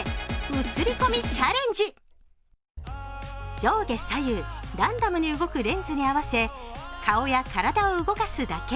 上下左右、ランダムに動くレンズに合わせ顔や体を動かすだけ。